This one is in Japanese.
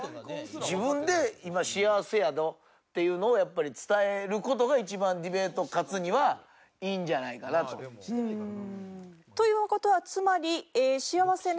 自分で今幸せやぞっていうのをやっぱり伝える事が一番ディベート勝つにはいいんじゃないかなと。という事はつまり幸せなのは。